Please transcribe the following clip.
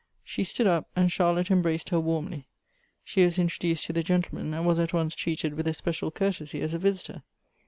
She stood up, and Charlotte embraced her warmly. She was introduced to the gentlemen, and was at once treated with especial courtesy as a visitor.